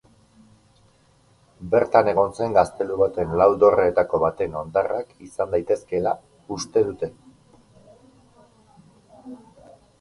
Bertan egon zen gaztelu baten lau dorreetako baten hondarrak izan daitezkeela uste dute.